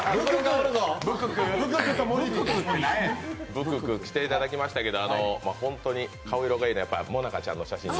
ブクク来ていただきましたけれども、顔色がいいのは、やっぱりもなかちゃんの写真で。